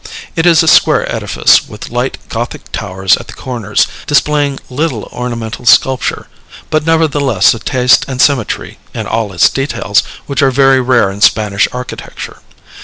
It is a square edifice, with light Gothic towers at the corners, displaying little ornamental sculpture, but nevertheless a taste and symmetry, in all its details, which are very rare in Spanish architecture.